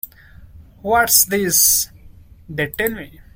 What's this they tell me?